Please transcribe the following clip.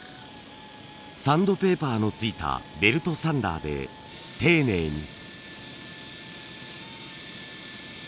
サンドペーパーのついたベルトサンダーで丁寧に。